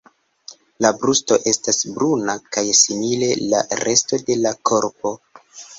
La brusto estas bruna kaj simile la resto de la korpo.